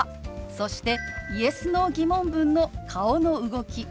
そしてＹｅｓ／Ｎｏー疑問文の顔の動き